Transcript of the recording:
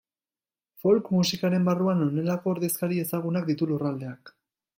Folk musikaren barruan honelako ordezkari ezagunak ditu lurraldeak.